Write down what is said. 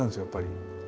やっぱり。